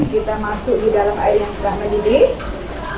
kita masuk di dalam air yang sudah mendidih